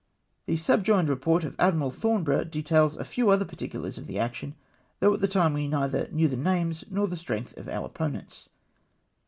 The subjoined report to Admiral Thornborough details a few other particulars of tlie action, though at that time we neither knew the names nor the strength of our opponents.